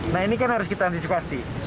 nah ini kan harus kita antisipasi